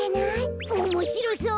おもしろそう！